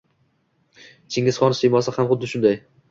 Chingizxon siymosi ham xuddi shunday.